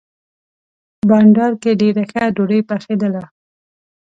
بانډار کې ډېره ښه ډوډۍ پخېدله.